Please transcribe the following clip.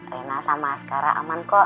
rena sama sekarang aman kok